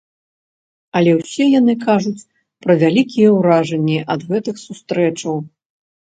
Але ўсе яны кажуць пра вялікія ўражанні ад гэтых сустрэчаў.